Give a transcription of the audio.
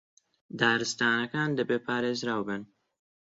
دارستانەکان دەبێ پارێزراو بن